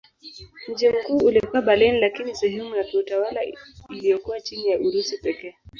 Mji mkuu ulikuwa Berlin lakini sehemu ya kiutawala iliyokuwa chini ya Urusi pekee.